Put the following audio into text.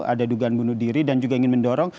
ada dugaan bunuh diri dan juga ingin mendorong